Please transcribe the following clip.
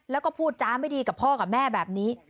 แล้วก็พูดจ้าไม่ดีกับพ่อกับแม่แบบนี้